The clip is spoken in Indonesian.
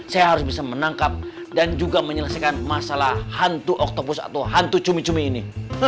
saya harus bisa menangkap dan juga menyelesaikan masalah hantu octopus atau hantu cumi cumi ini